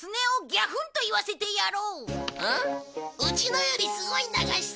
うちのよりすごい流しそうめん？